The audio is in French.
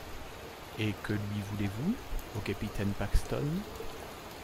Et que lui voulez-vous, au capitaine Paxton ?…